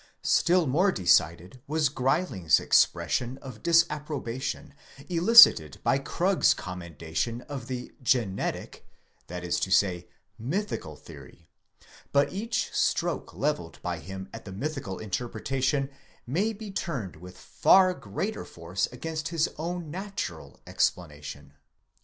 ® Still more decided was Greiling's * expression of disapprobation, elicited by 'Krug's commendation of the genetic—that is to say, mythical theory ; but each 'stroke levelled by him at the mythical interpretation may be turned with far greater force against his own natural explanation.